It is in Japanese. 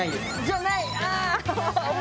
じゃないあ！